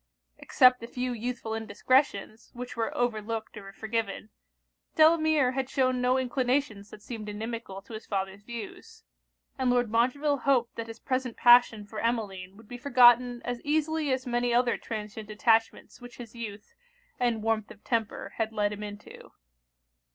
Except a few youthful indiscretions, which were overlooked or forgiven, Delamere had shewn no inclinations that seemed inimical to his father's views; and Lord Montreville hoped that his present passion for Emmeline would be forgotten as easily as many other transient attachments which his youth, and warmth of temper, had led him into.